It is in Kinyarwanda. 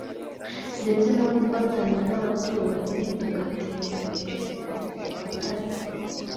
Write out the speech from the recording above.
ndetse no gufatanya n’abaturanyi tugatera imbere mu bufatanye